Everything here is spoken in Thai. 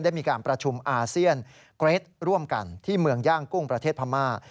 มีการประชุมอาเซียนเกรทร่วมกันที่เมืองย่างกุ้งประเทศพม่า